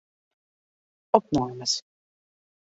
Opnames.